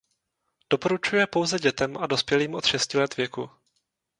Doporučuje pouze dětem a dospělým od šesti let věku.